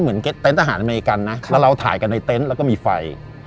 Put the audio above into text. เหมือนเต็นต์อาหารอเมริกันนะแล้วเราถ่ายกันในเต็นต์แล้วก็มีไฟ